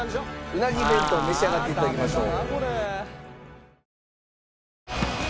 うなぎ弁当召し上がって頂きましょう。